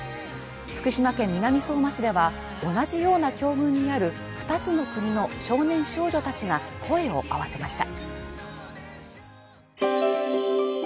福島県南相馬市では、同じような境遇にある二つの国の少年少女たちが声を合わせました。